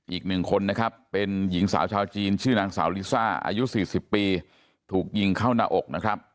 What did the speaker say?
อีกหนึ่งคนนะครับเป็นหญิงสาวชาวจีนชื่อนางสาวลิซ่าอายุ๔๐ปีถูกยิงเข้าหน้าอกนะครับ